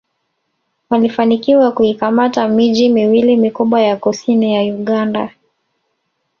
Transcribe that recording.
Walifanikiwa kuikamata miji miwili mikubwa ya kusini ya Uganda